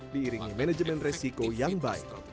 diiringi manajemen resiko yang baik